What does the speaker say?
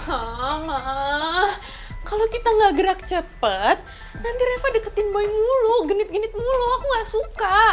halah kalau kita nggak gerak cepat nanti reva deketin boy mulu genit genit mulu nggak suka